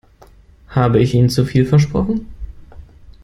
Habe ich Ihnen zu viel versprochen?